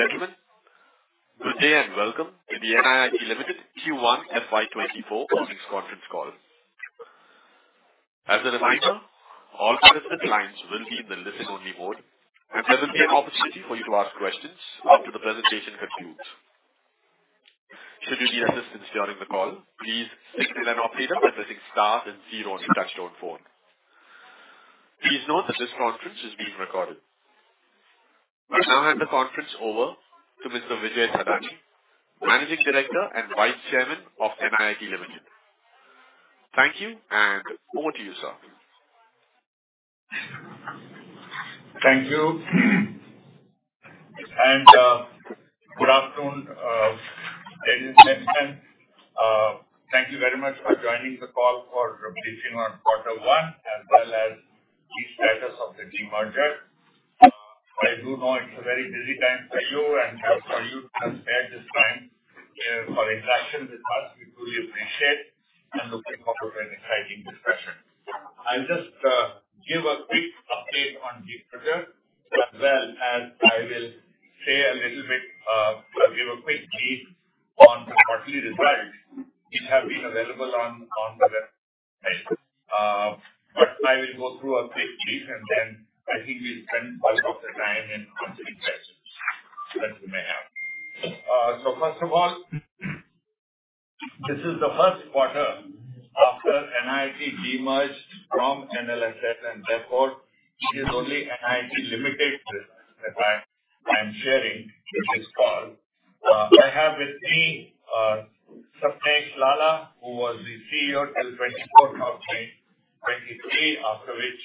Ladies and gentlemen, good day and welcome to the NIIT Limited Q1 FY24 earnings conference call. As a reminder, all participant lines will be in the listen-only mode, and there will be an opportunity for you to ask questions after the presentation concludes. Should you need assistance during the call, please signal an operator by pressing star 0 on your touchtone phone. Please note that this conference is being recorded. I now hand the conference over to Mr. Vijay K. Thadani, Managing Director and Vice Chairman of NIIT Limited. Thank you, and over to you, sir. Thank you. Good afternoon, ladies and gentlemen. Thank you very much for joining the call for briefing on Q1, as well as the status of the demerger. I do know it's a very busy time for you, and thank you for you to spare this time for interaction with us. We truly appreciate and looking forward to an exciting discussion. I'll just give a quick update on demerger, as well as I will say a little bit to give a quick brief on the quarterly results. It have been available on the website. I will go through a quick brief, and then I think we'll spend most of the time in answering questions that you may have. First of all, this is the Q1 after NIIT demerged from NLSL, and therefore, it is only NIIT Limited business that I, I'm sharing with this call. I have with me, Sapnesh Lalla, who was the CEO till 24th of May 2023, after which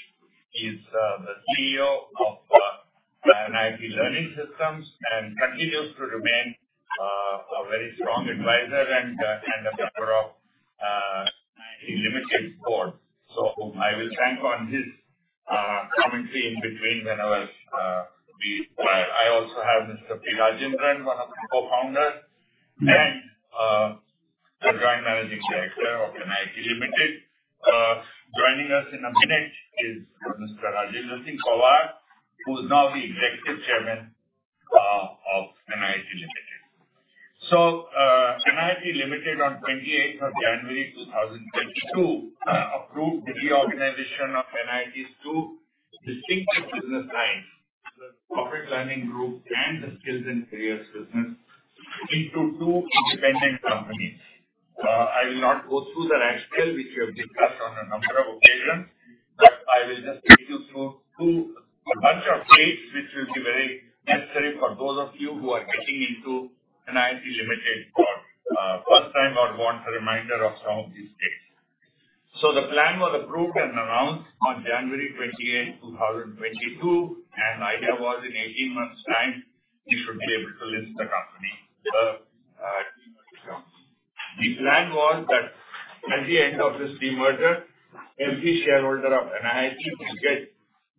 he's the CEO of NIIT Learning Systems and continues to remain a very strong advisor and a member of NIIT Limited board. I will thank on his commentary in between whenever we... I also have Mr. P. Rajendran, one of the co-founders and the Managing Director of NIIT Limited. Joining us in a minute is Mr. Rajendra Singh Pawar, who is now the Executive Chairman of NIIT Limited. NIIT Limited, on 28th of January 2022, approved the demerger of NIIT's two distinctive business lines, the Corporate Learning Group and the Skills and Careers business, into two independent companies. I will not go through the rationale, which we have discussed on a number of occasions, but I will just take you through to a bunch of dates, which will be very necessary for those of you who are getting into NIIT Limited for first time or want a reminder of some of these dates. The plan was approved and announced on January 28th, 2022, and the idea was in 18 months' time, we should be able to list the company. The plan was that at the end of this demerger, every shareholder of NIIT will get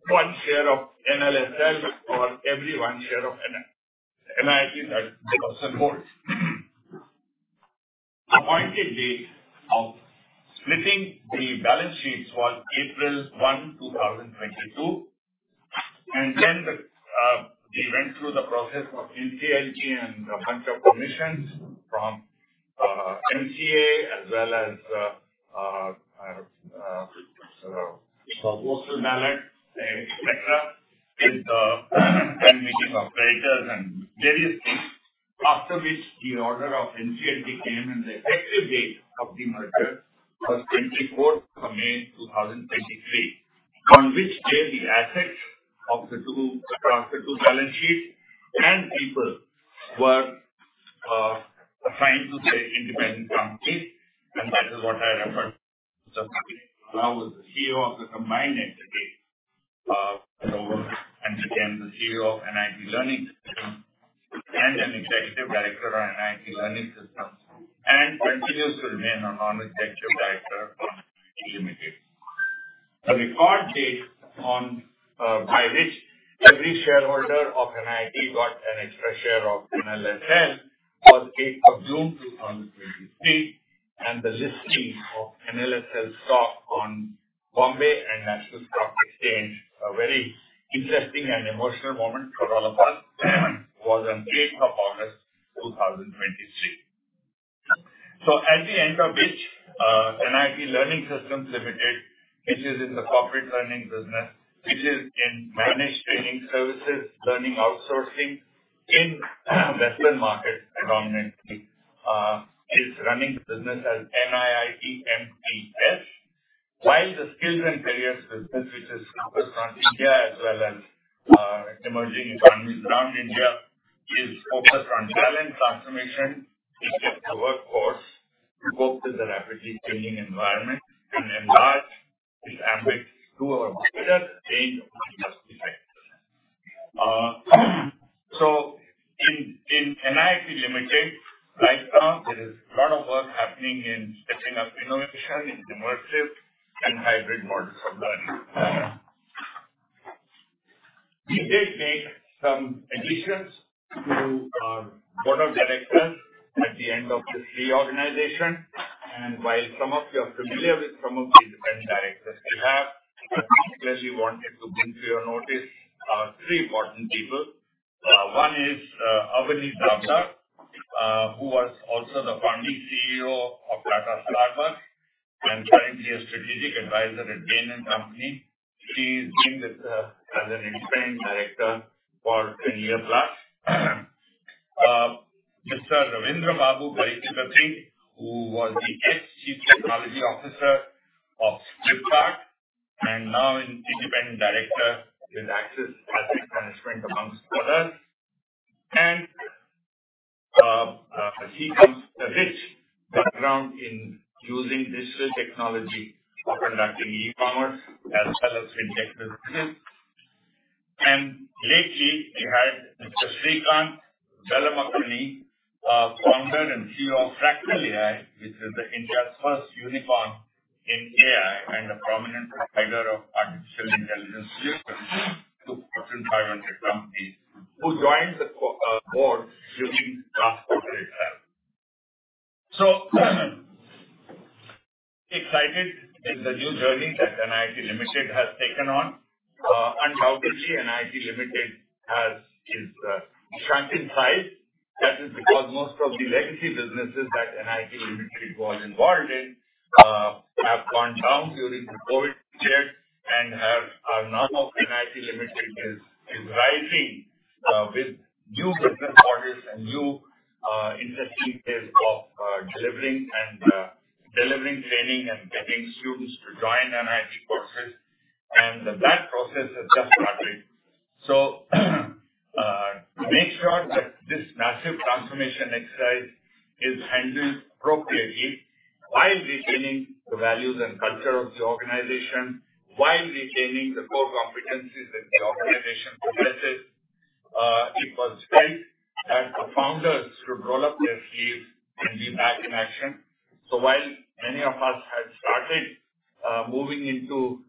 1 share of NLSL for every 1 share of NIIT that they hold. The appointed date of splitting the balance sheets was April 1, 2022, and then we went through the process of NCLT and a bunch of permissions from NCLT as well as postal ballot, et cetera, with and making operators and various things. After which the order of NCLT came, and the effective date of the merger was May 24, 2023, on which day the assets of the 2 transferred to balance sheet and people were assigned to the independent companies, and that is what I referred to. Sapnesh now is the CEO of the combined entity, and became the CEO of NIIT Learning Systems and an Executive Director of NIIT Learning Systems and continues to remain a Non-Executive Director of NIIT Limited. The record date on by which every shareholder of NIIT got an extra share of NLSL was eighth of June, 2023, and the listing of NLSL stock on Bombay and National Stock Exchange, a very interesting and emotional moment for all of us, was on eighth of August, 2023. At the end of which, NIIT Learning Systems Limited, which is in the corporate learning business, which is in Managed Training Services, learning outsourcing in, western market predominantly, is running the business as NLSL. While the Skills and Careers business, which is focused on India as well as emerging economies around India, is focused on talent transformation, which is the workforce, cope with the rapidly changing environment and enlarge its ambit to a wider range of industry sector. In, in NIIT Limited right now, there is a lot of work happening in setting up innovation in immersive and hybrid models of learning. We did make some additions to our Board of Directors at the end of this reorganization. While some of you are familiar with some of the independent directors we have, I particularly wanted to bring to your notice three important people. One is Avani Davda, who was also the founding CEO of Tata Starbucks and currently a strategic advisor at Bain and Company. She's been with us as an independent director for 10 years plus. Mr. Ravindra Babu Garikipati, who was the ex-Chief Technology Officer of Flipkart, and now an independent director with 5Paisa Capital, amongst others. He comes with a rich background in using digital technology for conducting e-commerce as well as FinTech businesses. Lately, we had Mr. Srikanth Velamakanni, founder and CEO of Fractal AI, which is the India's first unicorn in AI and a prominent provider of artificial intelligence solutions to Fortune 500 companies, who joined the board during last quarter itself. Excited in the new journey that NIIT Limited has taken on. Undoubtedly, NIIT Limited has, is, shrunk in size. That is because most of the legacy businesses that NIIT Limited was involved in, have gone down during the COVID period and have, now NIIT Limited is, is rising, with new business models and new, interesting ways of, delivering and, delivering training and getting students to join NIIT courses, and that process has just started. To make sure that this massive transformation exercise is handled appropriately while retaining the values and culture of the organization, while retaining the core competencies that the organization possesses, it was felt that the founders should roll up their sleeves and be back in action. While many of us had started moving into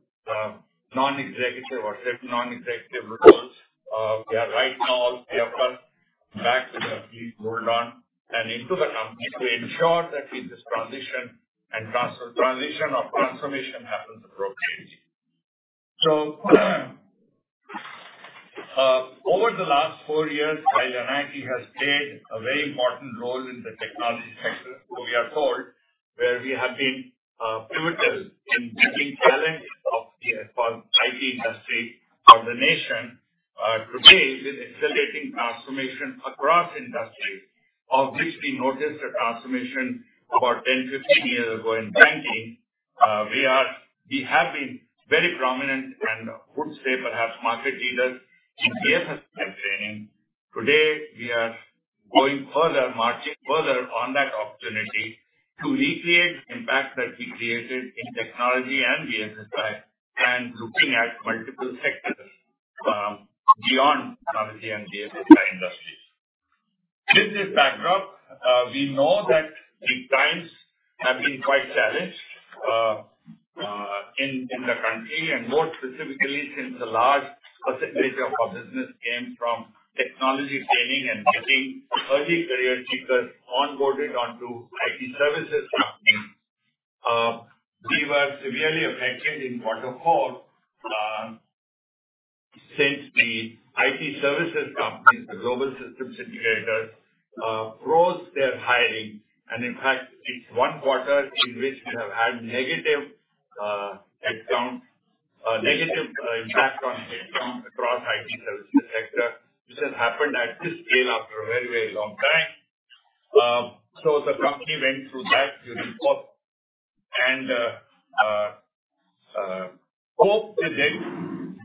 non-executive or certain non-executive roles, we are right now, all three of us, back with our sleeves rolled on and into the company to ensure that with this transition and transformation happens appropriately. Over the last 4 years, while NIIT has played a very important role in the technology sector, so we are told, where we have been pivotal in building talent of the IT industry of the nation. Today, with accelerating transformation across industries, of which we noticed a transformation about 10-15 years ago in banking, we have been very prominent and would say perhaps market leaders in BFSI training. Today, we are going further, marching further on that opportunity to recreate the impact that we created in technology and BFSI and looking at multiple sectors, beyond technology and BFSI industries. With this backdrop, we know that the times have been quite challenged, in, in the country, and more specifically, since a large percentage of our business came from technology training and getting early career seekers onboarded onto IT services companies. We were severely affected in Q4, since the IT services companies, the global systems integrators, froze their hiring. In fact, it's Q1 in which we have had negative, head count, negative impact on head count across IT services sector, which has happened at this scale after a very, very long time. So the company went through that during quarter, and coped with it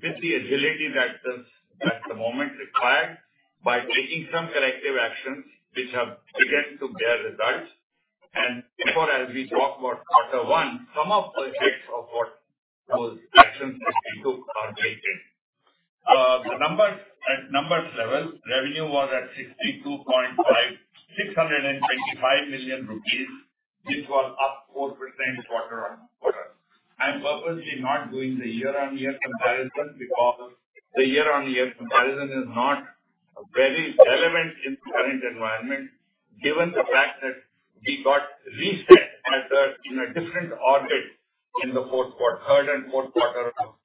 with the agility that is at the moment required by taking some corrective actions which have begun to bear results. Before as we talk about Q1, some of the effects of what those actions that we took are stated. The numbers, at numbers level, revenue was at 62.5-- 625 million rupees, which was up 4% quarter-on-quarter. I'm purposely not doing the year-on-year comparison, because the year-on-year comparison is not very relevant in the current environment, given the fact that we got reset at a, in a different orbit in the Q4, Q3 and Q4 of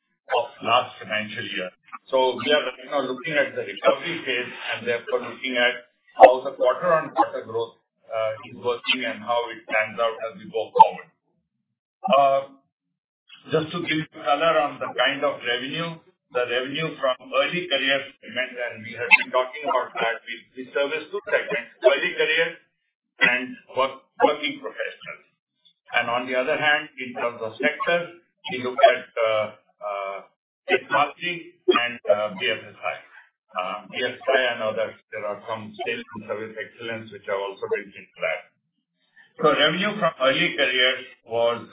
last financial year. We are right now looking at the recovery phase and therefore looking at how the quarter-on-quarter growth is working and how it pans out as we go forward. Just to give you color on the kind of revenue, the revenue from Early Careers segment, and we have been talking about that we service two segments, Early Careers and working professionals. And on the other hand, in terms of sectors, we look at technology and BFSI. BFSI and other. There are some Sales and Service Excellence, which are also very integral. Revenue from Early Careers was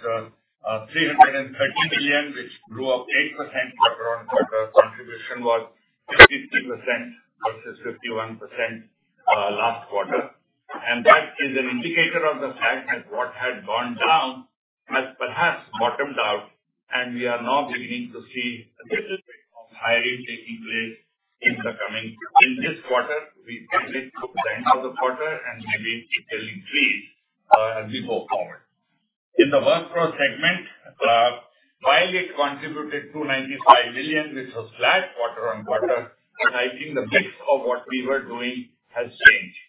330 million, which grew up 8% quarter-on-quarter. Contribution was 50% versus 51% last quarter. That is an indicator of the fact that what had gone down has perhaps bottomed out, and we are now beginning to see a little bit of hiring taking place in the coming-- In this quarter, we expect it through the end of the quarter and maybe it will increase as we go forward. In the WorkPro segment, while it contributed 295 million, which was flat quarter-on-quarter, and I think the mix of what we were doing has changed.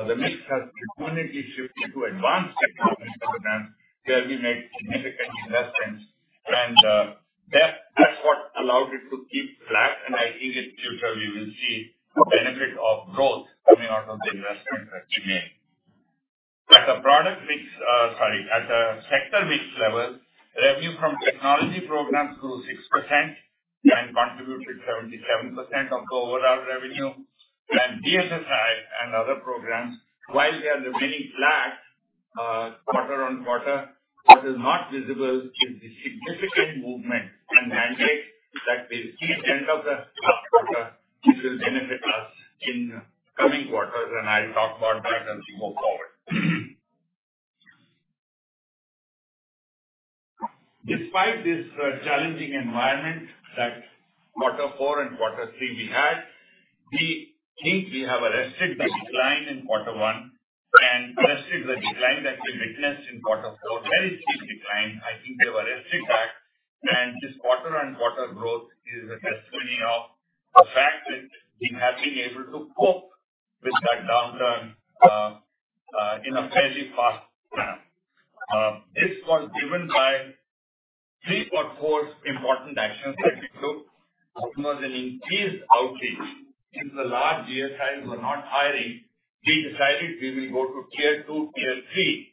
The mix has significantly shifted to advanced technology programs, where we made significant investments. That's what allowed it to keep flat, and I think it future we will see the benefit of growth coming out of the investments that we made. At the product mix, sorry, at the sector mix level, revenue from technology programs grew 6% and contributed 77% of the overall revenue. BFSI and other programs, while they are remaining flat, quarter-on-quarter, what is not visible is the significant movement and mandate that we'll see end of the quarter. It will benefit us in coming quarters, and I'll talk about that as we move forward. Despite this, challenging environment that Q4 and Q3 we had, we think we have arrested the decline in Q1 and arrested the decline that we witnessed in Q4. Very steep decline, I think we have arrested that, and this quarter-on-quarter growth is a testimony of the fact that we have been able to cope with that downturn, in a fairly fast time. This was driven by 3 or 4 important actions that we took. One was an increased outreach. Since the large GSIs were not hiring, we decided we will go to tier 2, tier 3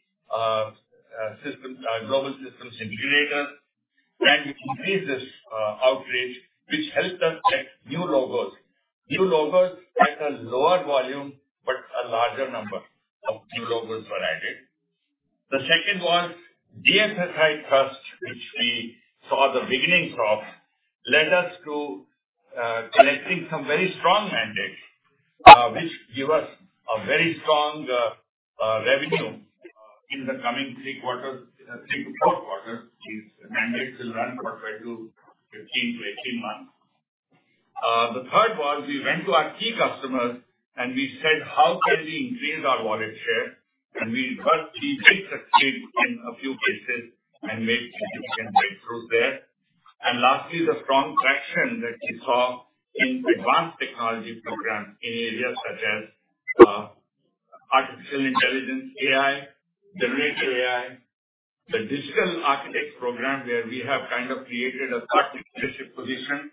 systems, Global Systems Integrators, and increase this outreach, which helped us get new logos. New logos at a lower volume, but a larger number of new logos were added. The second was BFSI trust, which we saw the beginnings of, led us to collecting some very strong mandates, which give us a very strong revenue in the coming 3 quarters. In the 3 to 4 quarters, these mandates will run for 12-15-18 months. The third was we went to our key customers and we said: How can we increase our wallet share? We had great success success in a few cases and made significant breakthrough there. Lastly, the strong traction that we saw in advanced technology programs in areas such as artificial intelligence, AI, Generative AI, the Digital Architect Program, where we have kind of created a thought leadership position,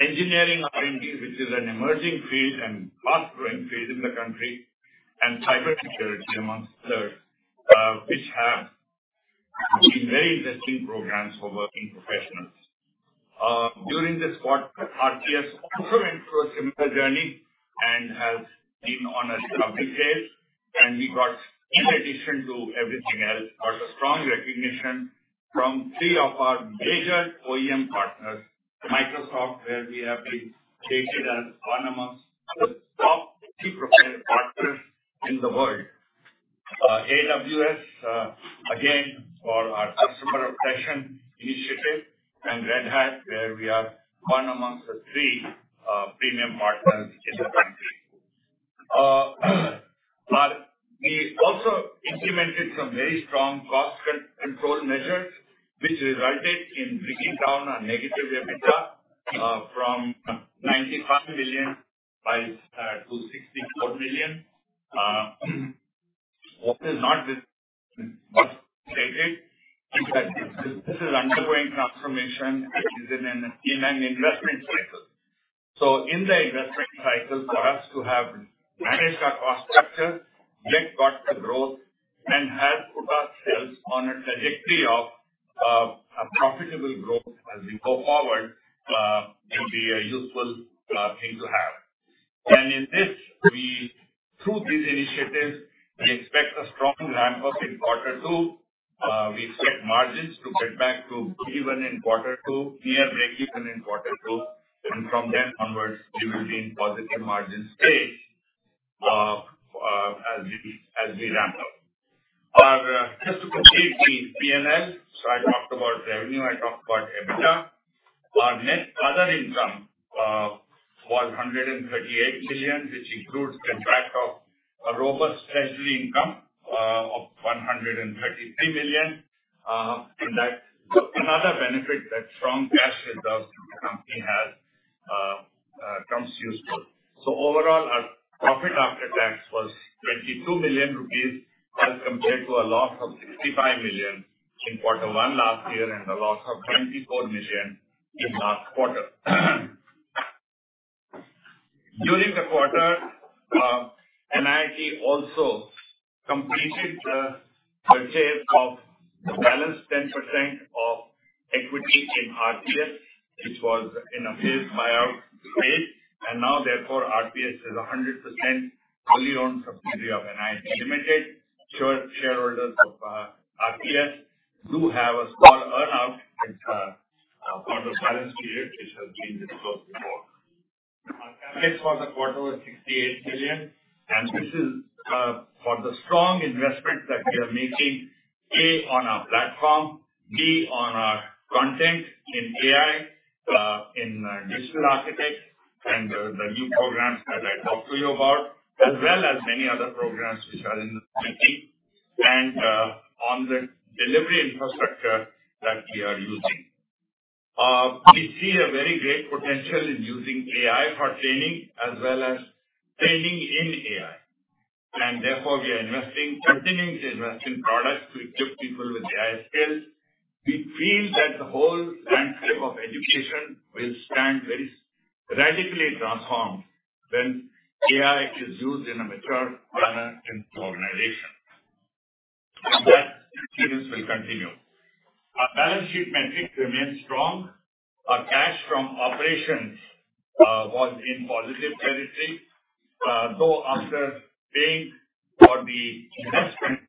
engineering R&D, which is an emerging field and fast-growing field in the country, and cybersecurity, among others, which have been very interesting programs for working professionals. During this quarter, RPS also went through a similar journey and has been on a steady state, and we got, in addition to everything else, got a strong recognition from three of our major OEM partners, Microsoft, where we have been stated as among the top two partners in the world. AWS, again, for our customer obsession initiative, and Red Hat, where we are one amongst the three premium partners in the country. We also implemented some very strong cost control measures, which resulted in bringing down our negative EBITDA from 95 million to 64 million. What is not stated is that this is undergoing transformation and is in an investment cycle. In the investment cycle, for us to have managed our cost structure, yet got the growth and has put ourselves on a trajectory of a profitable growth as we go forward, will be a useful thing to have. In this, we, through these initiatives, we expect a strong ramp-up in Q2. We expect margins to get back to even in Q2, near break even in Q2, and from then onwards, we will be in positive margin stage, as we, as we ramp up. Just to complete the PNL. I talked about revenue, I talked about EBITDA. Our net other income was 138 million, which includes contract of a robust treasury income, of 133 million. And that another benefit that strong cash reserves the company has, comes useful. Overall, our profit after tax was 22 million rupees, as compared to a loss of 65 million in Q1 last year and a loss of 24 million in last quarter. During the quarter, NIIT also completed the purchase of the balance 10% of equity in RPS, which was in a phased buyout phase, and now therefore, RPS is a 100% wholly owned subsidiary of NIIT Limited. Shareholders of RPS do have a balance period, which has been discussed before. Our Capex for the quarter was 68 billion, and this is for the strong investment that we are making: A, on our platform, B, on our content in AI, in digital architect and the new programs that I talked to you about, as well as many other programs which are in the making and on the delivery infrastructure that we are using. We see a very great potential in using AI for training as well as training in AI. Therefore, we are investing-- continuing to invest in products to equip people with AI skills. We feel that the whole landscape of education will stand very radically transformed when AI is used in a mature manner in organization. That experience will continue. Our balance sheet metrics remain strong. Our cash from operations was in positive territory. Though, after paying for the investment,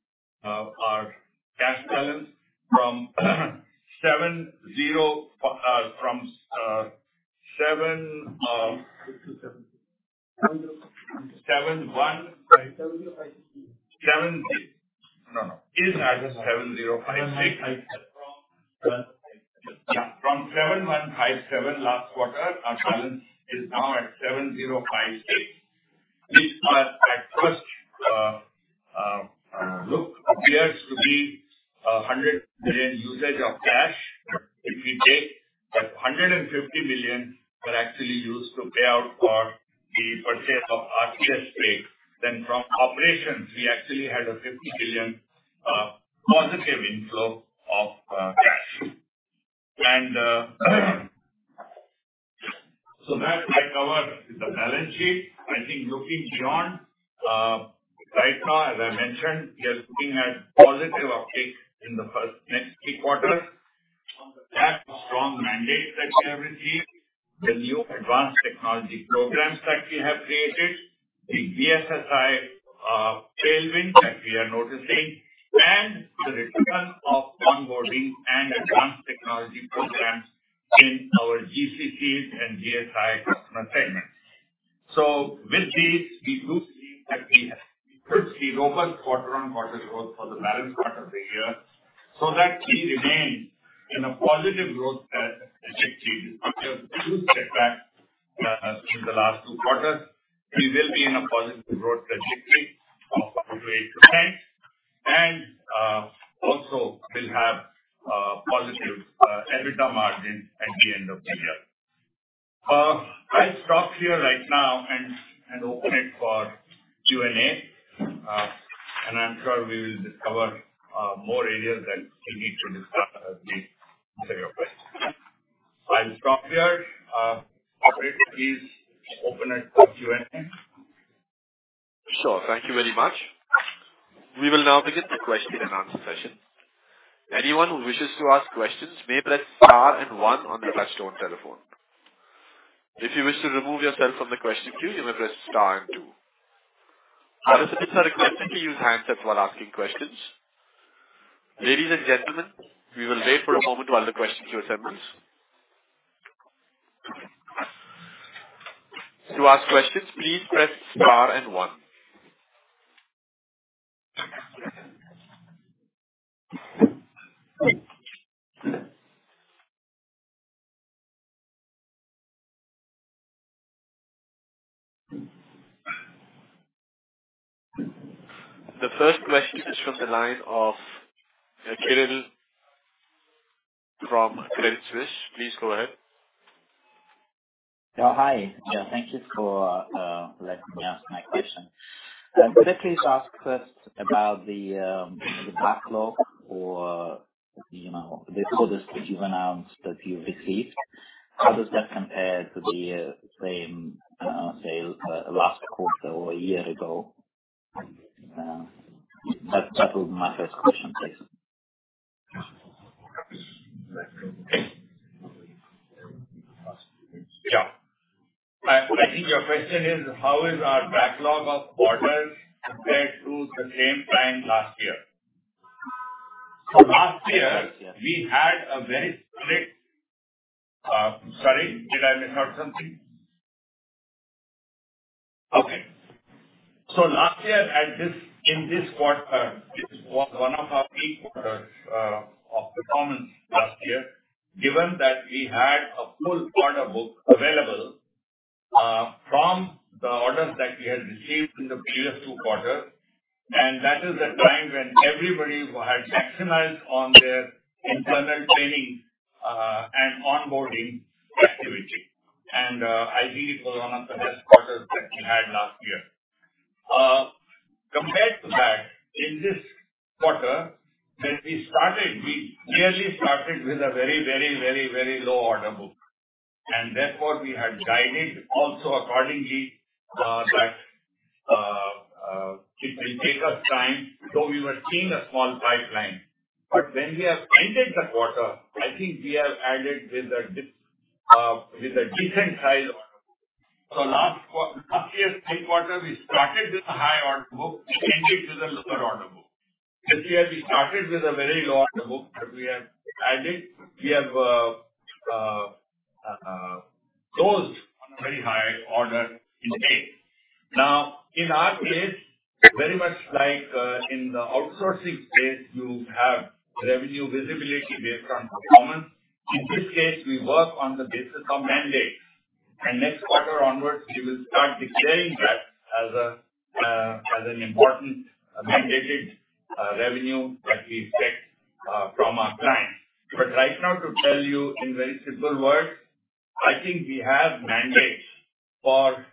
our cash balance from, INR 70, from, INR 71- 7056. No, no. It is at 7056. From seven- Yeah, from 7,157 crore last quarter, our balance is now at 7,056 crore. This, at first look, appears to be 100 crore usage of cash. If we take that 150 crore were actually used to pay out for the purchase of RPS Consulting, from operations, we actually had a 50 crore positive inflow of cash. That I covered the balance sheet. I think looking beyond right now, as I mentioned, we are looking at positive uptake in the first next three quarters. On the back of strong mandate that we have received, the new advanced technology programs that we have created, the The first question is from the line of Caleb from Credit Suisse. Please go ahead. Hi. Yeah, thank you for letting me ask my question. Could I please ask first about the backlog or, you know, the orders that you've announced that you've received? How does that compare to the same sales last quarter or a year ago? That, that was my first question, please. Yeah. I, I think your question is, how is our backlog of orders compared to the same time last year? Last year, we had a very strict... Sorry, did I miss out something? Okay. Last year, at this, in this quarter, this was one of our peak quarters of performance last year. Given that we had a full order book available from the orders that we had received in the previous two quarters, and that is the time when everybody had sexualized on their internal training and onboarding activity. I think it was one of the best quarters that we had last year. Compared to that, in this quarter, when we started, we clearly started with a very, very, very, very low order book, and therefore we had guided also accordingly, that it will take us time, though we were seeing a small pipeline. When we have ended the quarter, I think we have added with a dip, with a decent size. Last year's Q3, we started with a high order book, ended with a lower order book. This year we started with a very low order book, but we have added, we have, closed on a very high order in the case. In our case, very much like, in the outsourcing space, you have revenue visibility based on performance. In this case, we work on the basis of mandate, and next quarter onwards, we will start declaring that as an important mandated revenue that we expect from our clients. Right now, to tell you in very simple words, I think we have mandates for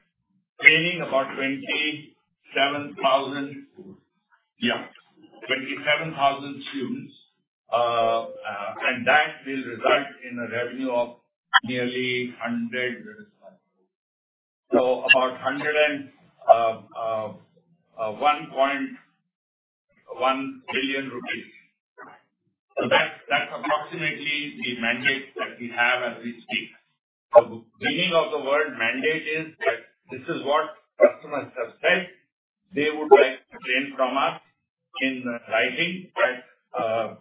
training about 27,000. Yeah, 27,000 students. That will result in a revenue of INR 1.1 billion. That's, that's approximately the mandate that we have as we speak. The meaning of the word mandate is that this is what customers have said they would like to train from us in writing at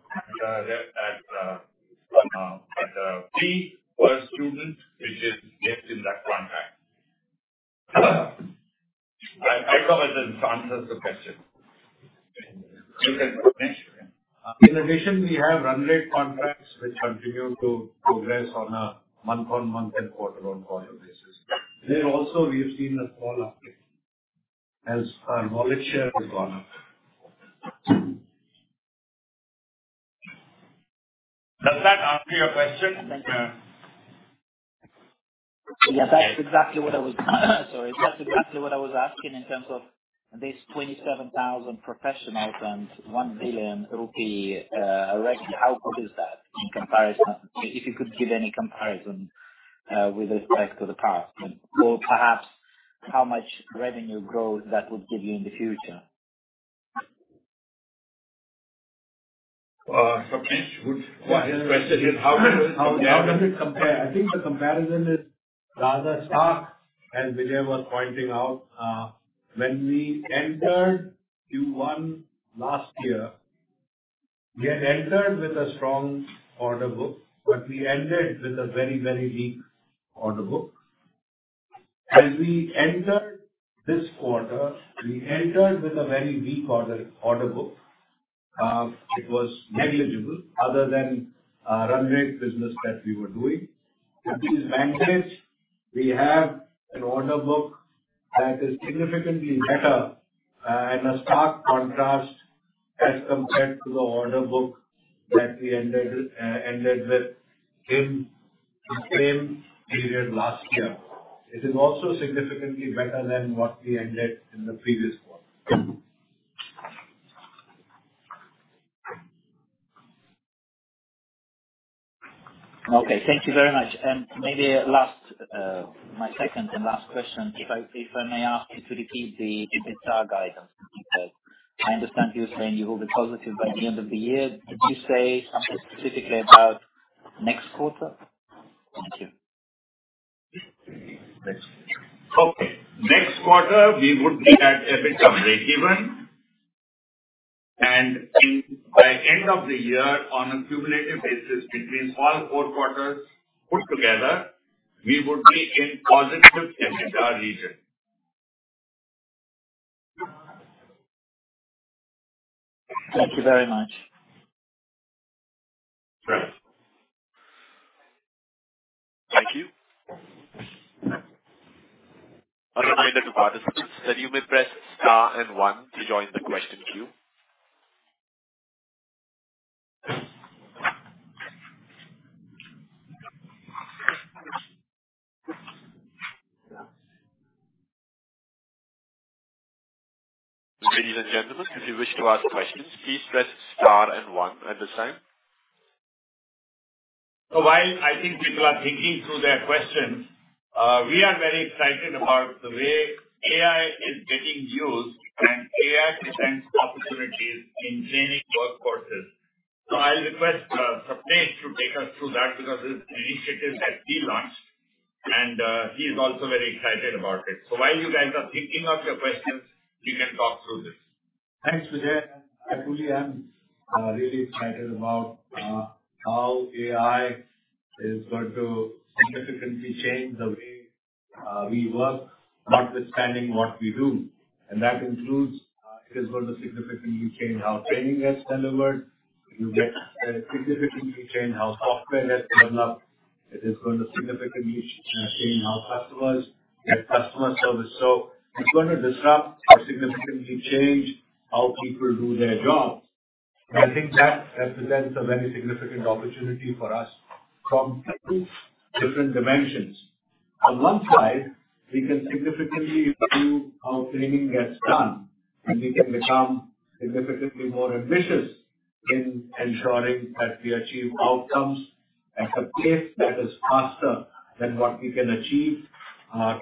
a fee per student, which is listed in that contract. I thought that answers the question. You can go next. In addition, we have run rate contracts, which continue to progress on a month-on-month and quarter-on-quarter basis. There also, we have seen a small uptick as our knowledge share has gone up. Does that answer your question? Yeah. Yeah, that's exactly what I was Sorry. That's exactly what I was asking in terms of this 27,000 professionals and 1 billion rupee revenue. How good is that in comparison? If you could give any comparison, with respect to the past, or perhaps how much revenue growth that would give you in the future? Sapna, good question. How does it compare? I think the comparison is rather stark, as Vijay was pointing out. When we entered Q1 last year, we had entered with a strong order book, but we ended with a very, very weak order book. As we entered this quarter, we entered with a very weak order book. It was negligible other than a run rate business that we were doing. With this mandate, we have an order book that is significantly better, and a stark contrast as compared to the order book that we ended with in the same period last year. It is also significantly better than what we ended in the previous quarter. Okay, thank you very much. Maybe last, my second and last question, if I, if I may ask you to repeat the EBITDA guidance. I understand you're saying you will be positive by the end of the year. Could you say something specifically about next quarter? Thank you. Okay. Next quarter, we would be at EBITDA breakeven, in by end of the year, on a cumulative basis, between all four quarters put together, we would be in positive EBITDA region. Thank you very much. Thank you. A reminder to participants that you may press Star and one to join the question queue. Ladies and gentlemen, if you wish to ask questions, please press star and one at this time. While I think people are thinking through their questions, we are very excited about the way AI is getting used and AI presents opportunities in training workforces. I'll request Sapna to take us through that, because this is an initiative that he launched, and he's also very excited about it. While you guys are thinking of your questions, he can talk through this. Thanks, Vijay. I truly am really excited about how AI is going to significantly change the way we work, notwithstanding what we do. That includes, it is going to significantly change how training gets delivered. You get, significantly change how software gets developed. It is going to significantly change how customers get customer service. It's going to disrupt or significantly change how people do their jobs. I think that represents a very significant opportunity for us from two different dimensions. On one side, we can significantly improve how training gets done, and we can become significantly more ambitious in ensuring that we achieve outcomes at a pace that is faster than what we can achieve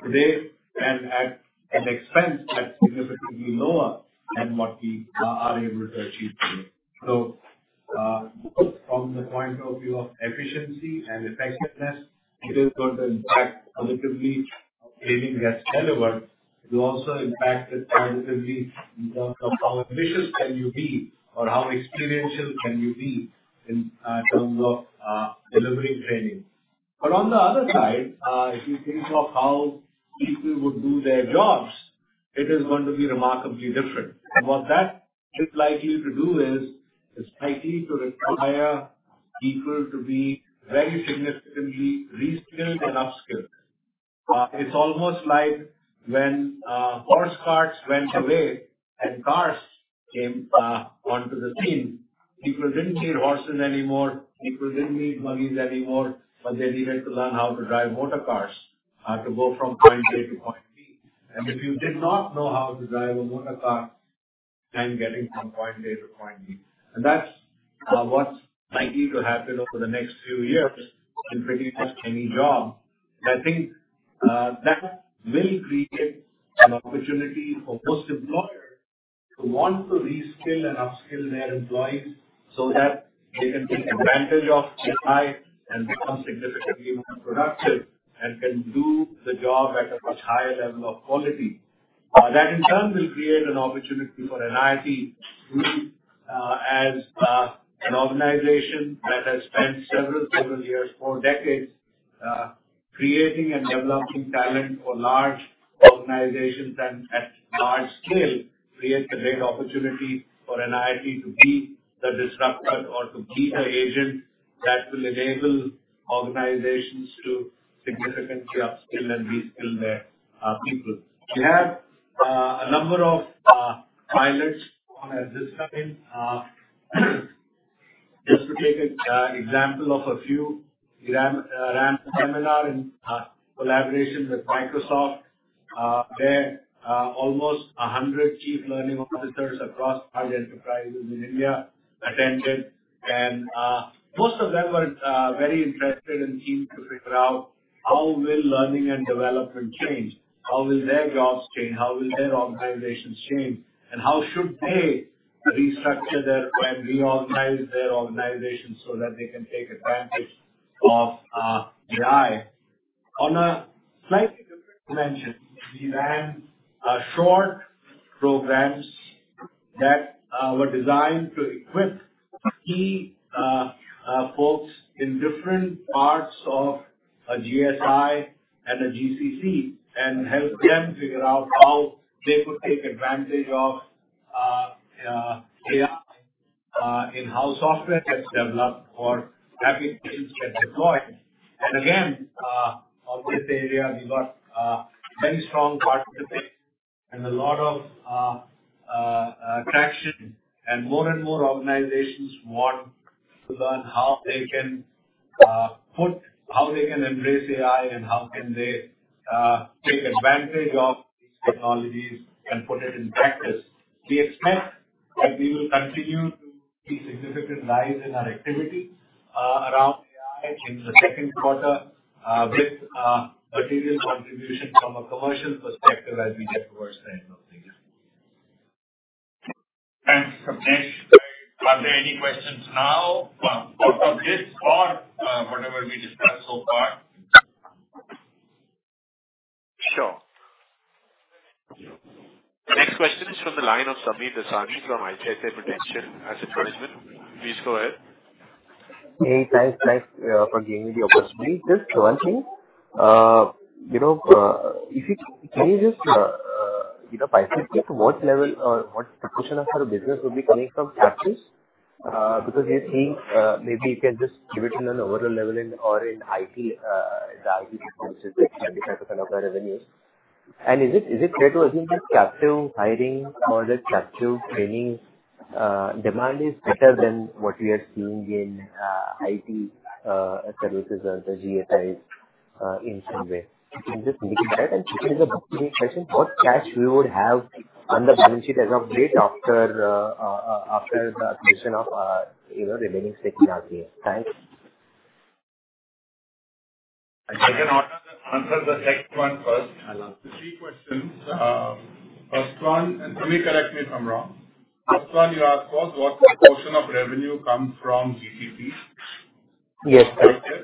today, and at an expense that's significantly lower than what we are able to achieve today. From the point of view of efficiency and effectiveness, it is going to impact positively how training gets delivered. It will also impact it positively in terms of how ambitious can you be or how experiential can you be in terms of delivering training. On the other side, if you think of how people would do their jobs, it is going to be remarkably different. What that is likely to do is, it's likely to require people to be very significantly reskilled and upskilled. It's almost like when horse carts went away and cars came onto the scene. People didn't need horses anymore, people didn't need buggies anymore, but they needed to learn how to drive motor cars to go from point A to point B. If you did not know how to drive a motor car, time getting from point A to point B. That's what's likely to happen over the next few years in pretty much any job. I think that will create an opportunity for most employers who want to reskill and upskill their employees so that they can take advantage of AI and become significantly more productive, and can do the job at a much higher level of quality. That in turn will create an opportunity for NIIT, as an organization that has spent several, several years, 4 decades, creating and developing talent for large organizations and at large scale, creates a great opportunity for NIIT to be the disruptor or to be the agent that will enable organizations to significantly upskill and reskill their people. We have a number of pilots on at this time. Just to take an example of a few, we ran a seminar in collaboration with Microsoft. There, almost 100 chief learning officers across large enterprises in India attended, and most of them were very interested and keen to figure out how will learning and development change? How will their jobs change? How will their organizations change? And how should they restructure their and reorganize their organization so that they can take advantage of AI. On a slightly different dimension, we ran short programs that were designed to equip key folks in different parts of a GSI and a GCC and help them figure out how they could take advantage of AI in how software gets developed or applications get deployed. And again, on this area, we got many strong participants and a lot of traction. And more and more organizations want to learn how they can embrace AI and how can they take advantage of these technologies and put it in practice. We expect that we will continue to see significant rise in our activity, around AI in the Q2, with material contribution from a commercial perspective as we get towards the end of the year. Thanks, Sapnesh. Are there any questions now, on this or, whatever we discussed so far? Sure. Next question is from the line of Sameer Desai from ICICI Prudential. Please go ahead. Hey, thanks, nice, for giving me the opportunity. Just one thing, you know, can you just, you know, pinpoint it, what level or what proportion of your business will be coming from captives? Because we are seeing, maybe you can just give it in an overall level and or in IT, the IT services, which is 30% of the revenue. Is it, is it fair to assume that captive hiring or the captive training demand is better than what we are seeing in IT, services or the GSIs, in some way? Can you just speak to that? The second question, what cash we would have on the balance sheet as of date after, after the acquisition of, you know, remaining stake in RKE? Thanks. I can answer, answer the second one first. I love it. 3 questions. First one, and Sameer, correct me if I'm wrong. First one, you asked us, what proportion of revenue come from GCC? Yes. Okay.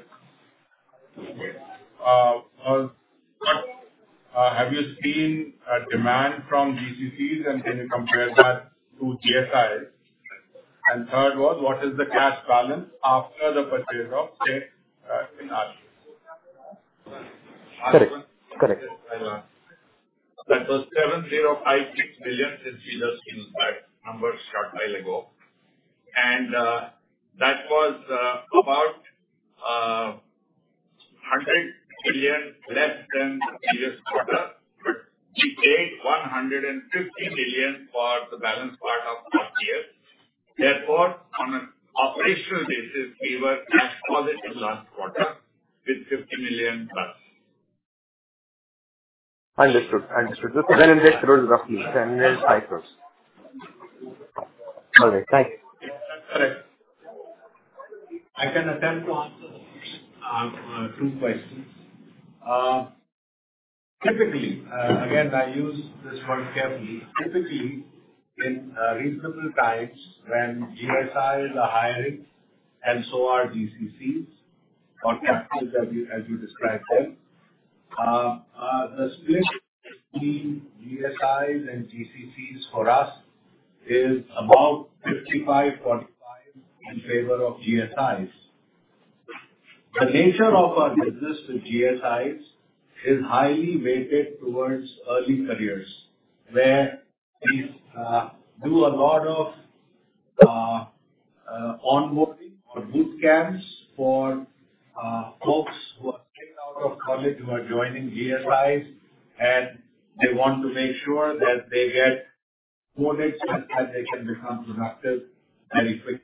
Have you seen a demand from GCCs, and can you compare that to GSIs? Third one, what is the cash balance after the purchase of stake in RKE? Correct. Correct. That was 7,056 billion, since we last seen that number a short while ago. That was about 100 billion less than the previous quarter. We paid 150 billion for the balance part of last year. On an operational basis, we were cash positive last quarter with INR 50 million+. Understood. Understood. Just then invest rules roughly 10 million cycles. All right, thank you. Correct. I can attempt to answer 2 questions. Typically, again, I use this word carefully. Typically, in reasonable times when GSIs are hiring and so are GCCs or capsules, as you, as you described them, the split between GSIs and GCCs for us is about 55, 45 in favor of GSIs. The nature of our business with GSIs is highly weighted towards Early Careers, where we do a lot of onboarding or boot camps for folks who are straight out of college, who are joining GSIs, and they want to make sure that they get onboarded and that they can become productive very quickly.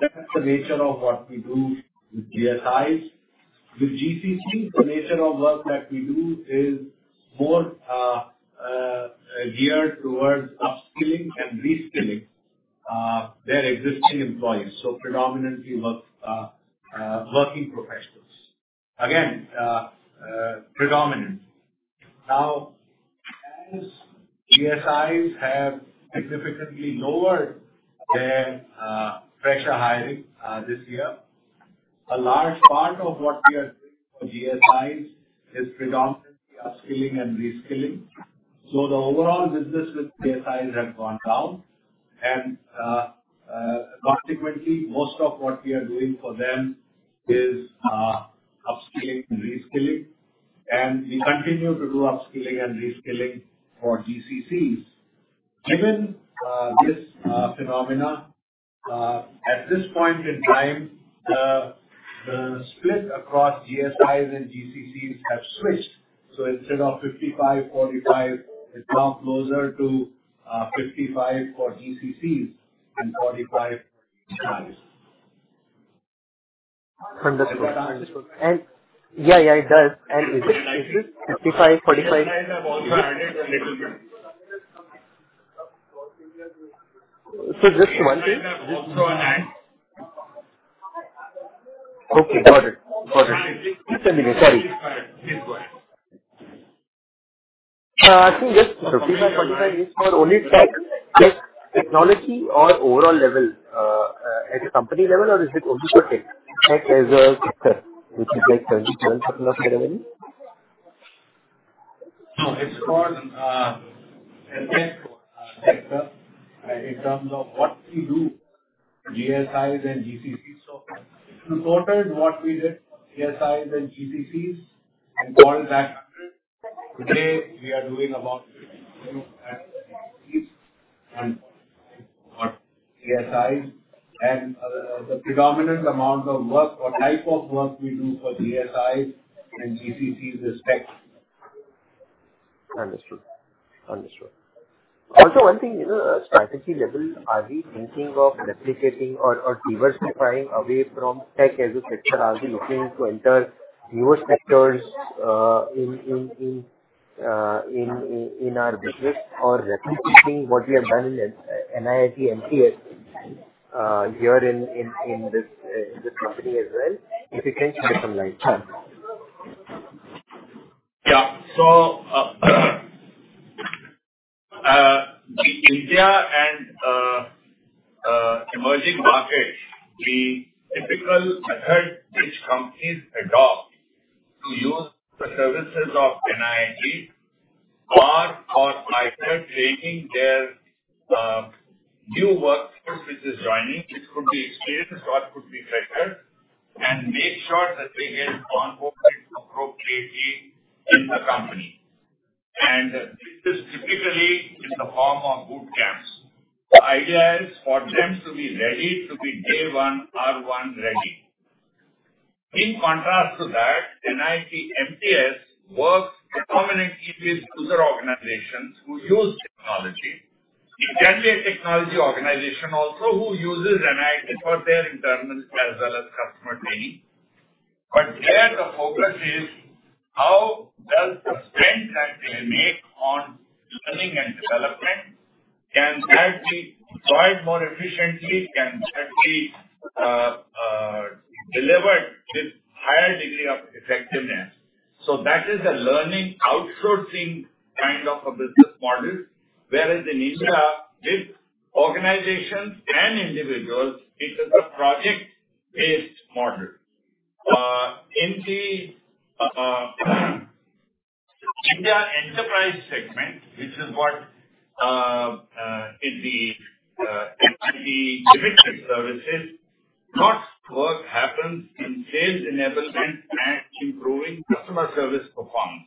That's the nature of what we do with GSIs. With GCC, the nature of work that we do is more geared towards upskilling and reskilling their existing employees. Predominantly work, working professionals. Again, predominant. Now, as GSIs have significantly lowered their fresher hiring this year, a large part of what we are doing for GSIs is predominantly upskilling and reskilling. The overall business with GSIs has gone down, and consequently, most of what we are doing for them is upskilling and reskilling, and we continue to do upskilling and reskilling for GCCs. Given this phenomena at this point in time, the split across GSIs and GCCs have switched. Instead of 55, 45, it's now closer to 55 for GCCs and 45 for GSIs. Understood. Yeah, yeah, it does. Is it, is it 55/45? I've also added a little bit. Just one thing. Just to add. Okay, got it. Got it. Keep telling me. Sorry. Keep going. Actually, this 55, 45 is for only tech, like technology or overall level, at a company level, or is it only for tech? Tech as a sector, which is like 27% of the revenue. No, it's for the tech sector, in terms of what we do, GSIs and GCCs. In total, what we did, GSIs and GCCs, and all that, today, we are doing about 55 GCCs and 45 for GSIs, and the predominant amount of work or type of work we do for GSIs and GCC is tech. Understood. Understood. Also, one thing, you know, strategy level, are we thinking of replicating or, or diversifying away from tech as a sector? Are we looking to enter newer sectors, in our business or replicating what we have done in NIIT MTS, here in this company as well? If you can shed some light. Yeah. The India and emerging markets, the typical method which companies adopt to use the services of NIIT are for either training their new workforce, which is joining, which could be experienced or could be fresher, and make sure that they get onboarded appropriately in the company. This is typically in the form of boot camps. The idea is for them to be ready, to be day one, or one ready. In contrast to that, NIIT MTS works predominantly with other organizations who use technology. It can be a technology organization also who uses NIIT for their internal as well as customer training. There the focus is: how does the spend that they make on learning and development, can that be deployed more efficiently, can that be delivered with higher degree of effectiveness? That is a learning, outsourcing kind of a business model. Whereas in India, with organizations and individuals, it is a project-based model. In the India enterprise segment, which is what, in the limited services, lots work happens in sales enablement and improving customer service performance.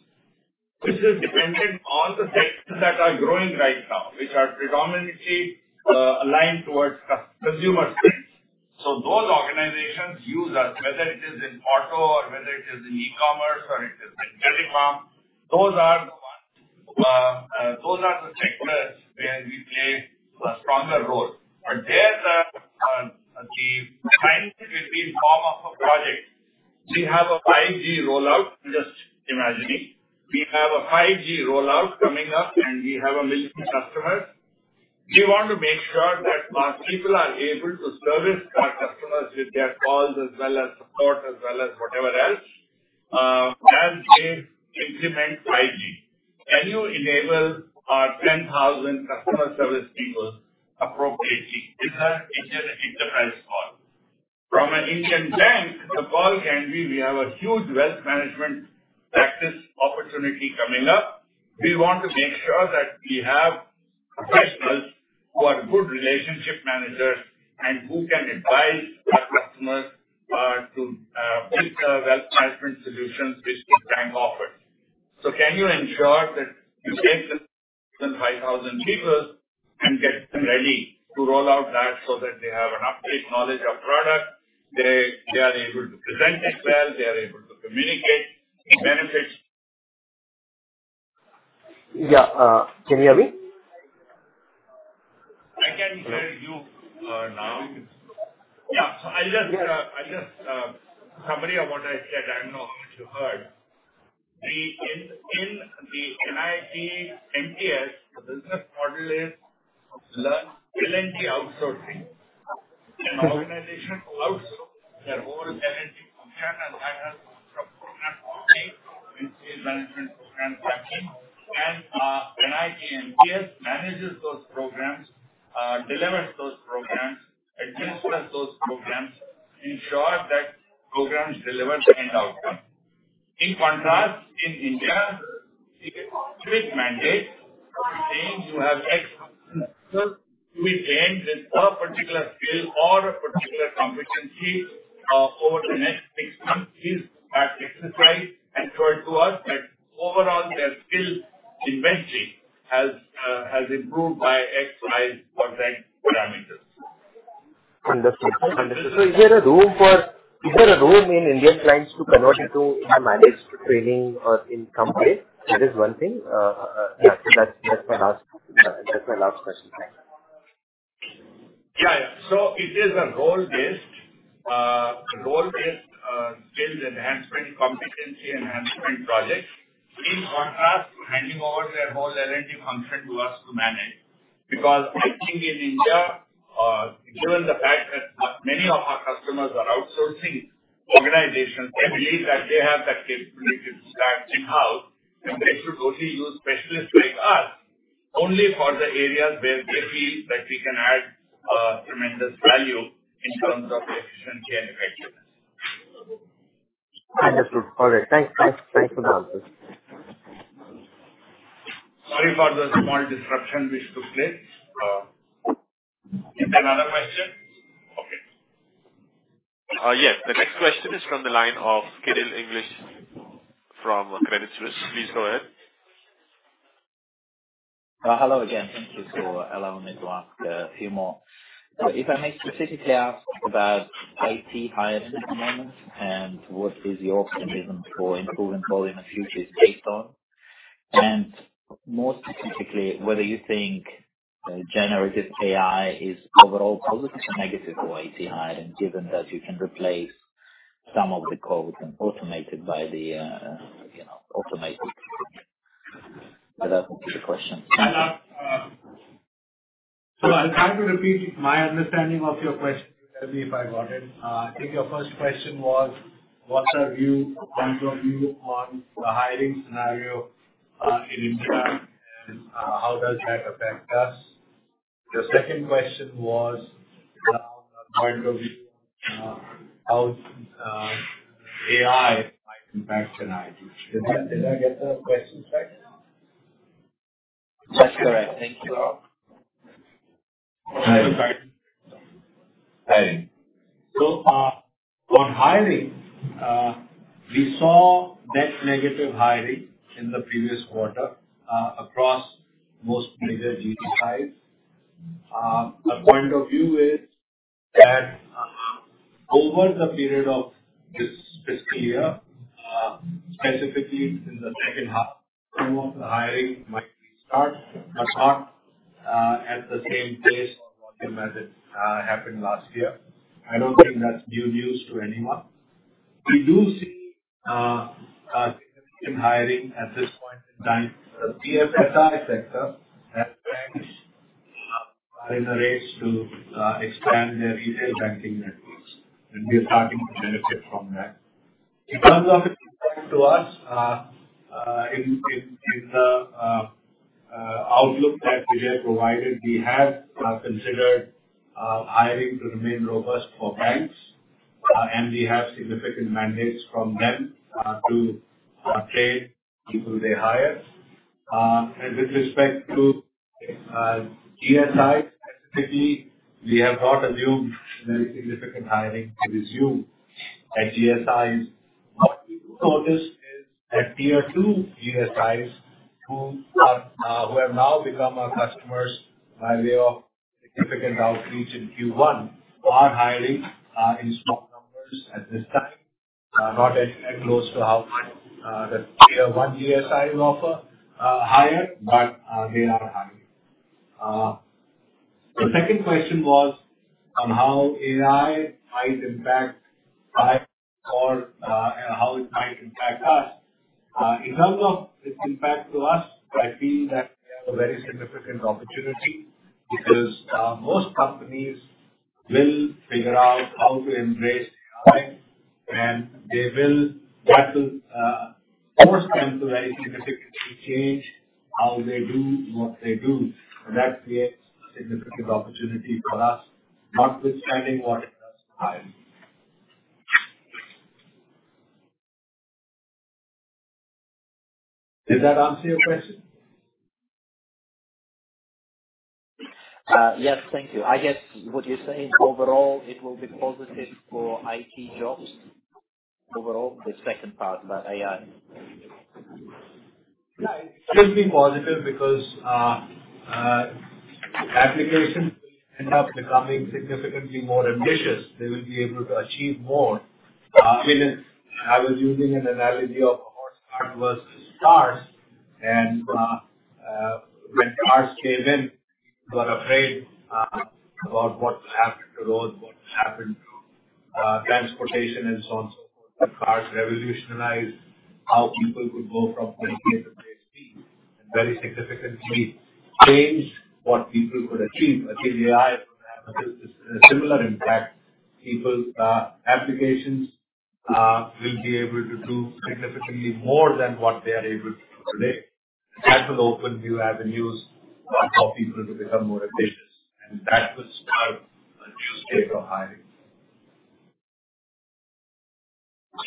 This is dependent on the sectors that are growing right now, which are predominantly aligned towards consumer space. Those organizations use us, whether it is in auto or whether it is in e-commerce or it is in telecom. Those are, those are the sectors where we play a stronger role, but there the client will be in form of a project. We have a 5G rollout. Just imagining, we have a 5G rollout coming up, and we have 1 million customers. We want to make sure that our people are able to service our customers with their calls, as well as support, as well as whatever else, as they implement 5G. Can you enable our 10,000 customer service people appropriately? It's a, it's an enterprise call. From an Indian bank, the call can be: We have a huge wealth management practice opportunity coming up. We want to make sure that we have professionals who are good relationship managers and who can advise our customers, to pick the wealth management solutions which the bank offers. Can you ensure that you take the 10,000 people and get them ready to roll out that so that they have an up-to-date knowledge of product, they, they are able to present it well, they are able to communicate the benefits? Yeah. Can you hear me? I can hear you now. Yeah. I'll just, I'll just, summary of what I said. I don't know how much you heard. In, in the NIIT MTS, the business model is learn L&D outsourcing. organization outsource their whole L&D function, and that has program owning and management program tracking. NIIT MTS manages those programs, delivers those programs, administers those programs, ensures that programs deliver the end outcome. In contrast, in India, strict mandate saying you have X, so we trained in a particular skill or a particular competency, over the next 6 months, please exercise and show it to us that overall, their skill inventory has, has improved by X, Y for Z parameters. Understood. Understood. Is there a room in Indian clients to convert into a managed training or in company? That is one thing. Yeah, that's, that's my last question. Thanks. Yeah. It is a goal-based, goal-based, skills enhancement, competency enhancement project. In contrast to handing over their whole L&D function to us to manage, because I think in India, given the fact that, many of our customers are outsourcing organizations, they believe that they have the capability to start in-house, and they should only use specialists like us only for the areas where they feel that we can add, tremendous value in terms of efficiency and effectiveness. Understood. All right. Thank, thank, thanks for the answers. Sorry for the small disruption which took place. Is there another question? Okay. Yes. The next question is from the line of Kirill English from Credit Suisse. Please go ahead. Hello again. Thank you for allowing me to ask a few more. If I may specifically ask about IT hiring at the moment, and what is your optimism for improvement volume in the future based on? More specifically, whether you think Generative AI is overall positive or negative for IT hiring, given that you can replace some of the codes and automate it by the, you know, automated. That was the question. I'll try to repeat my understanding of your question. Tell me if I got it. I think your first question was, what's our view, point of view on the hiring scenario in India, and how does that affect us. The second question was, point of view, how AI might impact NIIT. Did I, did I get the questions right? That's correct. Thank you. Hiring. On hiring, we saw net negative hiring in the previous quarter, across most major GT sides. Our point of view is that, over the period of this, this year, specifically in the 2nd half of the hiring might start, but not, at the same pace or volume as it, happened last year. I don't think that's new news to anyone. We do see, in hiring at this point in time, the BFSI sector, that banks are in a race to, expand their retail banking networks, and we are starting to benefit from that. In terms of it to us, in, in, in the outlook that we have provided, we have considered hiring to remain robust for banks, and we have significant mandates from them to train people they hire. With respect to GSIs specifically, we have not assumed very significant hiring to resume at GSIs. What we do notice is that tier two GSIs who are who have now become our customers by way of significant outreach in Q1, are hiring in small numbers at this time. Not any close to how the tier one GSIs offer higher, but they are hiring. The second question was on how AI might impact five or, and how it might impact us. In terms of its impact to us, I feel that we have a very significant opportunity because most companies will figure out how to embrace AI, and that will force them to very significantly change how they do what they do. That creates a significant opportunity for us, notwithstanding what is high. Did that answer your question? Yes, thank you. I guess what you're saying, overall, it will be positive for IT jobs. Overall, the second part about AI. Yeah, it should be positive because, applications end up becoming significantly more ambitious. They will be able to achieve more. In it, I was using an analogy of a horse cart versus cars, and, when cars came in, people got afraid, about what happened to those, what happened to, transportation and so on and so forth. Cars revolutionized how people could go from point A to point B, and very significantly changed what people could achieve. I think AI is going to have a similar impact. People's applications, will be able to do significantly more than what they are able to do today. That will open new avenues for people to become more ambitious, and that will start a new state of hiring.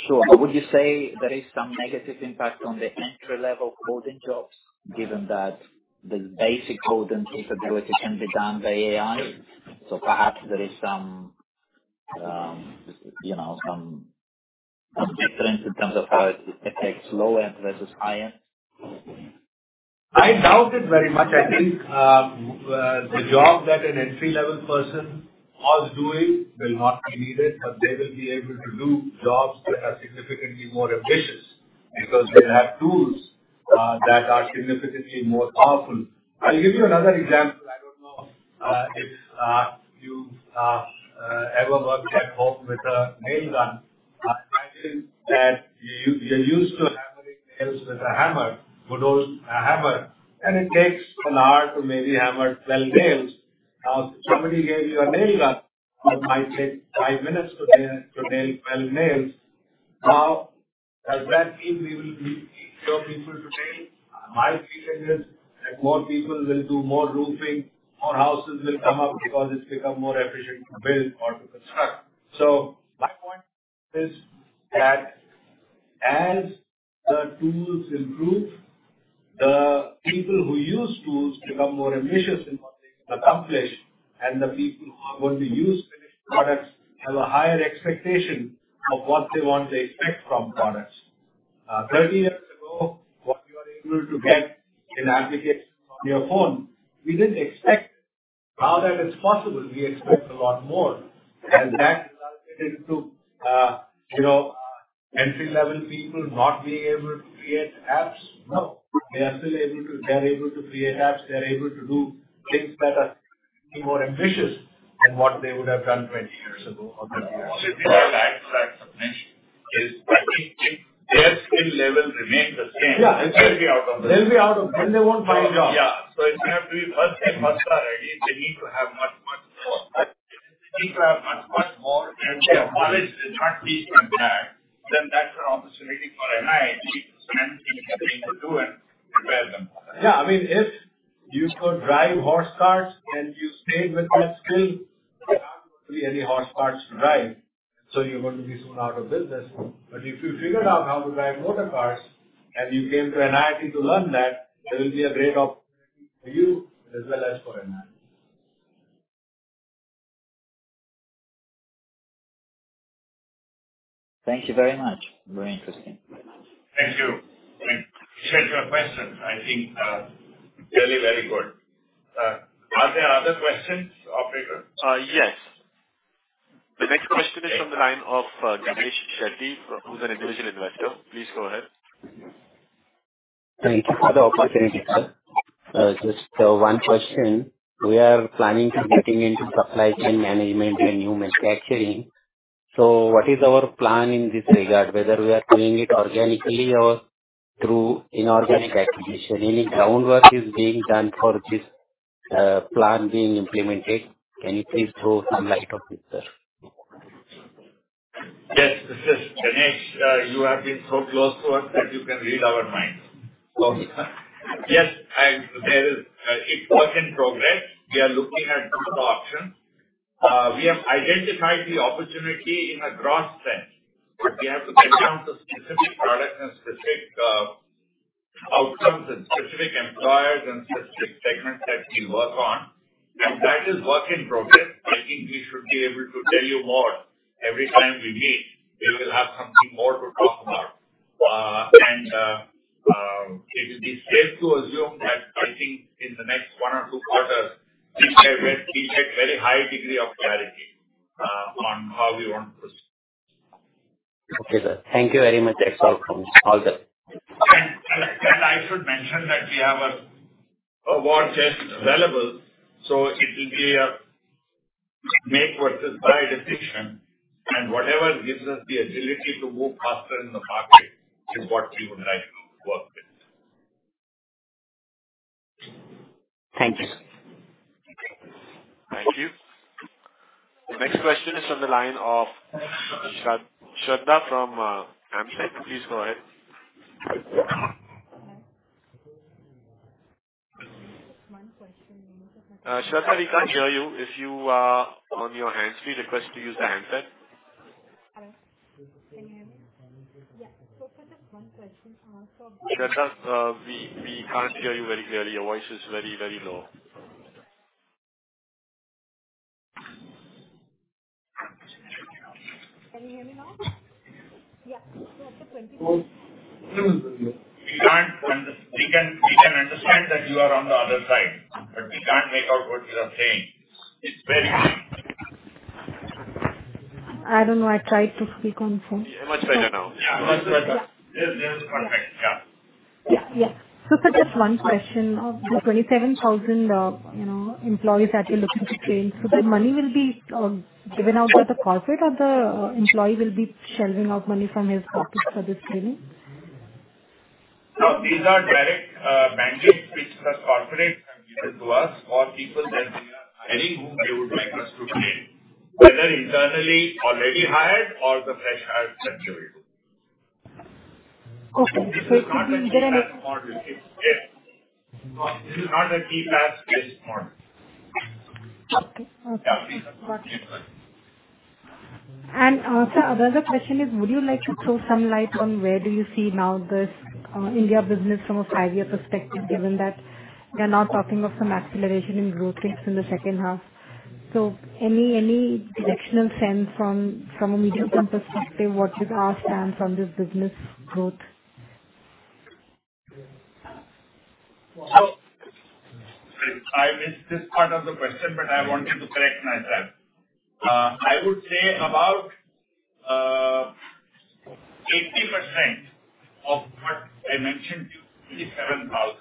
Sure. Would you say there is some negative impact on the entry-level coding jobs, given that the basic coding capability can be done by AI? Perhaps there is some, you know, some, some difference in terms of how it affects low end versus high end. I doubt it very much. I think, the job that an entry-level person was doing will not be needed, but they will be able to do jobs that are significantly more ambitious because they'll have tools that are significantly more powerful. I'll give you another example. I don't know if you ever worked at home with a nail gun. Imagine that you, you're used to hammering nails with a hammer good old hammer, and it takes an hour to maybe hammer 12 nails. Now, if somebody gave you a nail gun, it might take five minutes to nail, to nail 12 nails. Now, does that mean we will be need fewer people to nail? My feeling is that more people will do more roofing. More houses will come up because it's become more efficient to build or to construct. My point is that as the tools improve, the people who use tools become more ambitious in what they can accomplish, and the people who are going to use finished products have a higher expectation of what they want to expect from products. 30 years ago, what you are able to get in applications on your phone, we didn't expect. Now that it's possible, we expect a lot more. That resulted into, you know, entry-level people not being able to create apps? No. They're able to create apps. They're able to do things that are more ambitious than what they would have done 20 years ago or 30 years ago. I'd like to mention is, I think if their skill level remains the same. Yeah, they'll be out of business. They'll be out of business. They won't find a job. Yeah. It's going to be first thing, first are ready. They need to have much, much more. They need to have much, much more knowledge. They're not based on that, that's an opportunity for an NI to spend something to do and prepare them. Yeah. I mean, if you could drive horse carts and you stayed with that skill, there aren't going to be any horse carts to drive, so you're going to be soon out of business. If you figured out how to drive motor cars and you came to an NI to learn that, there will be a great opportunity for you as well as for NI. Thank you very much. Very interesting. Thank you. Thanks for your question. I think, really very good. Are there other questions, operator? Yes. The next question is from the line of Dinesh Shetty, who's an individual investor. Please go ahead. Thank you for the opportunity, sir. just 1 question. We are planning to getting into supply chain management and new manufacturing. What is our plan in this regard, whether we are doing it organically or through inorganic acquisition? Any groundwork is being done for this plan being implemented? Can you please throw some light on this, sir? Yes. This is Dinesh. You have been so close to us that you can read our minds. yes, There is, it work in progress. We are looking at couple of options. We have identified the opportunity in a broad sense, but we have to get down to specific products and specific, outcomes and specific employers and specific segments that we work on. That is work in progress. I think we should be able to tell you more every time we meet. We will have something more to talk about. it will be safe to assume that I think in the next 1 or 2 quarters, we should have, we should have very high degree of clarity, on how we want to proceed. Okay, sir. Thank you very much. That's all all good. I should mention that we have a, a war chest available, so it will be a make versus buy decision, and whatever gives us the agility to move faster in the market is what we would like to work with. Thank you. Thank you. The next question is on the line of Shraddha from Amset. Please go ahead. Hello. 1 question. Shraddha, we can't hear you. If you on your hands-free, request to use the handset. Hello. Can you hear me? Yeah. For just 1 question. Shraddha, we can't hear you very clearly. Your voice is very, very low. Can you hear me now? Yeah. for 20- We can't we can, we can understand that you are on the other side, but we can't make out what you are saying. It's very I don't know. I tried to speak on the phone. Much better now. Yeah, much better. There, there is perfect. Yeah. Yeah. Yeah. Sir, just one question. Of the 27,000, you know, employees that you're looking to train, the money will be given out by the corporate, or the employee will be shelving out money from his pocket for this training? No, these are direct mandates which the corporate have given to us for people that we are hiring, whom they would like us to train, whether internally already hired or the fresh hired that you're able to. Okay. This is not a key task model. Yes. No, this is not a key task-based model. Okay. Okay. Yeah, please. Sir, the other question is, would you like to throw some light on where do you see now this, India Business from a 5-year perspective, given that we are now talking of some acceleration in growth rates in the second half? Any, any directional sense from, from a medium-term perspective, what is our stand from this business growth? I, I missed this part of the question, but I wanted to correct myself. I would say about 80% of what I mentioned, 27,000,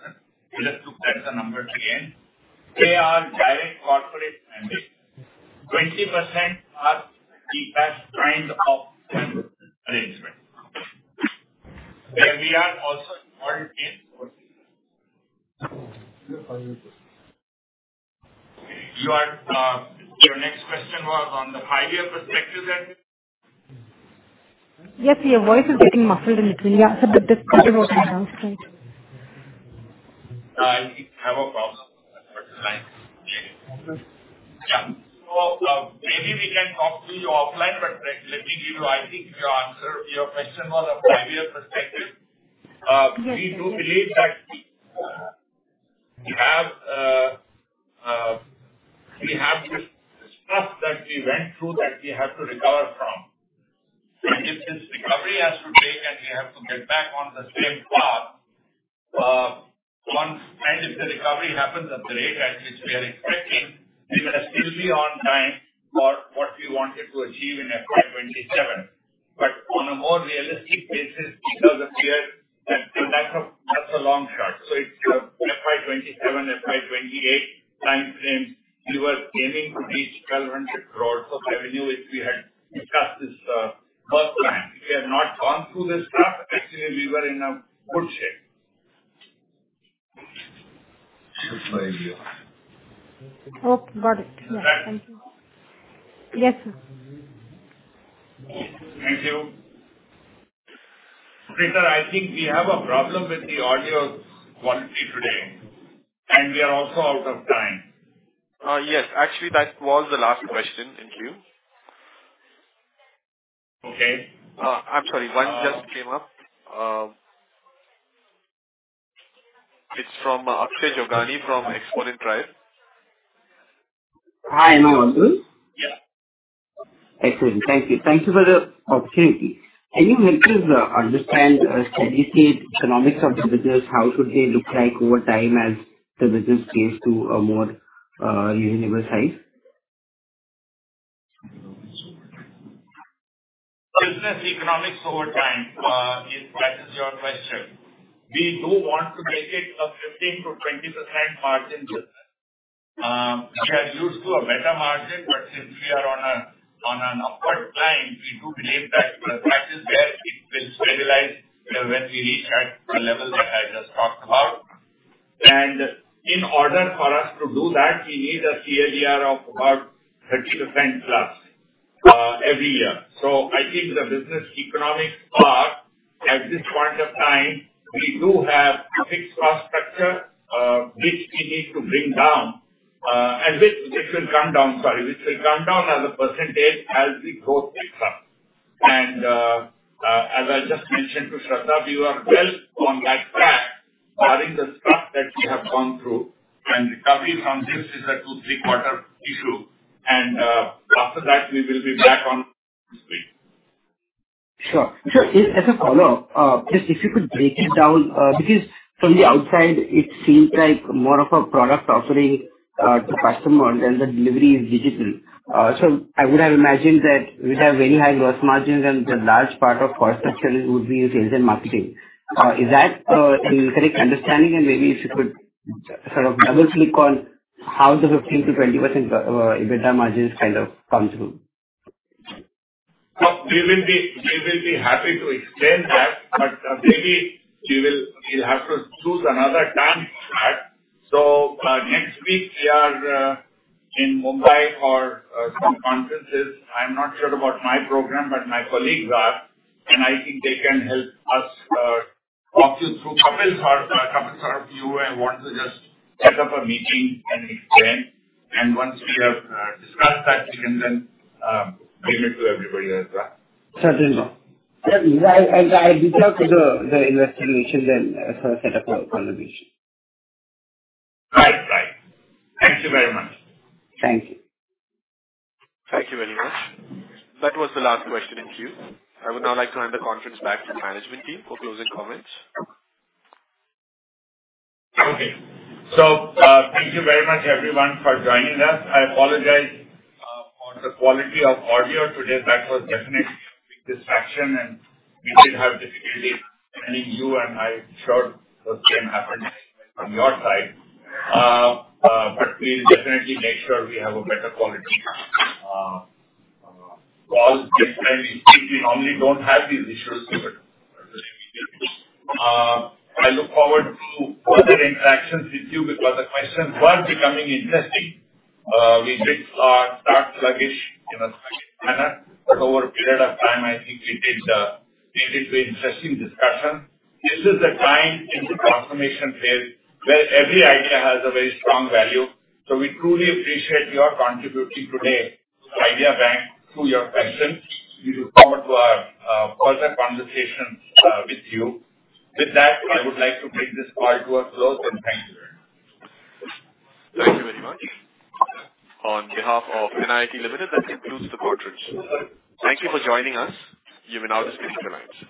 we'll just took that as a number again. They are direct corporate mandate. 20% are the best kind of arrangement, where we are also involved in. Your, your next question was on the 5-year perspective then? Yes, your voice is getting muffled in between. Yeah, so but this could work out great. I think you have a problem with line. Yeah. Maybe we can talk to you offline, but let, let me give you... I think your answer, your question was a 5-year perspective. Yes. We do believe that we have, we have this stuff that we went through that we have to recover from. If this recovery has to take and we have to get back on the same path, once, and if the recovery happens at the rate at which we are expecting, we will still be on time for what we wanted to achieve in FY27. On a more realistic basis, because of where that, that's a, that's a long shot. It's FY27, FY28 time frame, we were aiming to reach 1,200 crore of revenue if we had stuck this path line. If we had not gone through this stuff, actually, we were in a good shape. Okay, got it. Right. Yeah. Thank you. Yes, sir. Thank you. Operator, I think we have a problem with the audio quality today, and we are also out of time. Yes. Actually, that was the last question. Thank you. Okay. I'm sorry, one just came up. It's from Akshay Jogani from Xponent Tribe. Hi, am i audible? Yeah. Excellent. Thank you. Thank you for the opportunity. Can you help us understand steady-state economics of the business? How should they look like over time as the business scales to a more universal size? Business economics over time, if that is your question, we do want to take it a 15%-20% margin. We are used to a better margin, but since we are on an upward climb, we do believe that the practice where it will stabilize, when we reach at a level that I just talked about. In order for us to do that, we need a CAGR of about 30%+ every year. I think the business economics part, at this point of time, we do have a fixed cost structure, which we need to bring down, and which, which will come down, sorry, which will come down as a percentage as we grow quicker. As I just mentioned to Shraddha, we are well on that track, barring the stuff that we have gone through. Recovering from this is a two, three-quarter issue, and after that, we will be back on stream. Sure. Sure. As, as a follow-up, just if you could break it down, because from the outside, it seems like more of a product offering, to customer and the delivery is digital. I would have imagined that we'd have very high gross margins, and the large part of cost structure would be in sales and marketing. Is that, a correct understanding? And maybe if you could sort of double-click on how the 15%-20% EBITDA margin kind of comes through. Well, we will be happy to explain that, but maybe we will, we'll have to choose another time for that. Next week we are in Mumbai for some conferences. I'm not sure about my program, but my colleagues are, and I think they can help us walk you through. Kapil, or Kapil, you want to just set up a meeting and explain, and once we have discussed that, we can then bring it to everybody as well. Certainly. Yeah, I reach out to the, the investor relations and, sort of set up a call with you. Right. Right. Thank you very much. Thank you. Thank you very much. That was the last question in queue. I would now like to hand the conference back to the management team for closing comments. Okay. Thank you very much everyone for joining us. I apologize for the quality of audio today. That was definitely a big distraction, and we did have difficulty hearing you, and I'm sure the same happened from your side. We'll definitely make sure we have a better quality call next time. We normally don't have these issues, but I look forward to further interactions with you because the questions were becoming interesting. We did start sluggish in a specific manner, but over a period of time, I think it is very interesting discussion. This is the time in the transformation phase where every idea has a very strong value, so we truly appreciate your contributing today to IdeaBank, through your questions. We look forward to our further conversation with you. With that, I would like to bring this call to a close, and thank you. Thank you very much. On behalf of NIIT Limited, that concludes the conference. Thank you for joining us. You may now disconnect the lines.